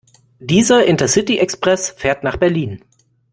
Dieser Intercity-Express fährt nach Berlin.